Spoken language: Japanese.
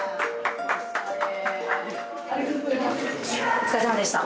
お疲れさまでした。